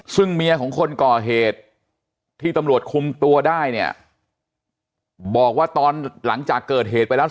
ซึ่งเมียของคนก่อเหตุที่ตำรวจคุมตัวได้เนี่ยบอกว่าตอนหลังจากเกิดเหตุไปแล้ว